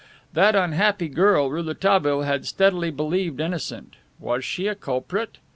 That unhappy girl Rouletabille had steadily believed innocent. Was she a culprit?